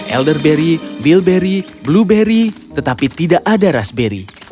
elderberry bilberry blueberry tetapi tidak ada raspberry